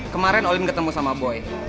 kemarin olin ketemu sama boy